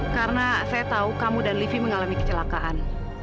karena saya tahu kamu dan livi mengalami kecelakaan